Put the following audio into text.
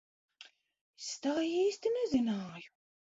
Es tā īsti nezināju.